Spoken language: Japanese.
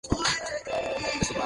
熊本県長洲町